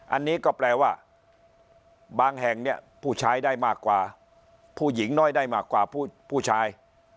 อันนี้ก็แปลว่าบางแห่งเนี่ยผู้ชายได้มากกว่าผู้หญิงน้อยได้มากกว่าผู้ชาย